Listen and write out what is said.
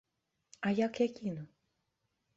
А як я кіну?